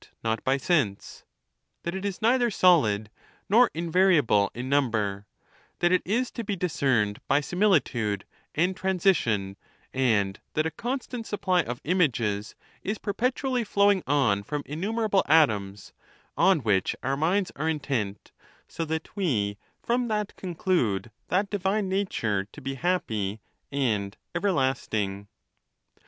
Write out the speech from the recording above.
247 not by sense ; that it is neither solid, noi invariable in num ber ; that it is to be discerned by similitude and transi tion, and that a constant supply of images is perpetually flowing on from innumerable atoms, on which our minds are intent ; so that we from that conclude that divine nat ure to be happy and everlasting.